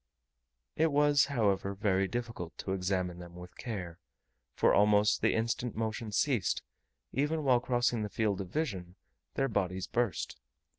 It was, however, very difficult to examine them with care, for almost the instant motion ceased, even while crossing the field of vision, their bodies burst.